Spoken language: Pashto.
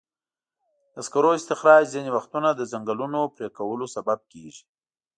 د سکرو استخراج ځینې وختونه د ځنګلونو پرېکولو سبب کېږي.